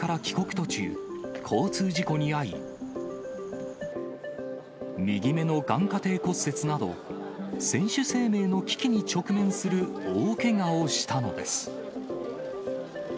途中、交通事故に遭い、右目の眼か底骨折など、選手生命の危機に直面する大けがをしたのです。